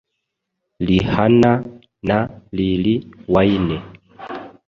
Rihanna na Lil Wayne,